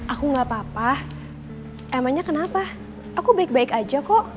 aku gak apa apa emangnya kenapa aku baik baik aja kok